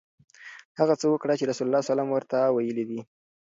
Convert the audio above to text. هغه څه وکړه چې رسول الله ورته ویلي دي.